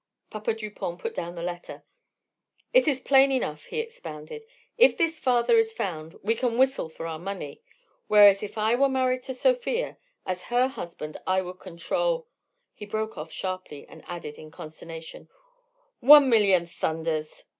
Papa Dupont put down the letter. "It is plain enough," he expounded: "if this father is found, we can whistle for our money; whereas if I were married to Sofia, as her husband I would control—" He broke off sharply, and added in consternation: "One million thunders!"